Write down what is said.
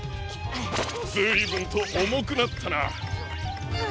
ずいぶんとおもくなったな。